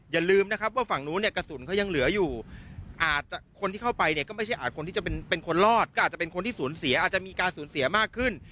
อย่าลืมนะครับว่าฝั่งนู้นเนี่ยกระสุนเขายังเหลืออยู่อาจจะคนที่เข้าไปเนี่ยก็ไม่ใช่อาจคนที่จะเป็นคนรอดก็อาจจะเป็นคนที่สูญเสียอาจจะมีการสูญเสียมากขึ้น